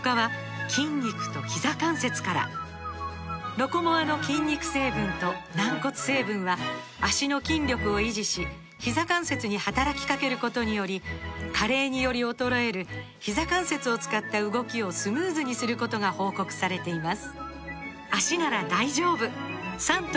「ロコモア」の筋肉成分と軟骨成分は脚の筋力を維持しひざ関節に働きかけることにより加齢により衰えるひざ関節を使った動きをスムーズにすることが報告されています